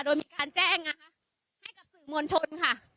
โดยมีการแจ้งให้กับสื่อมวลชนค่ะ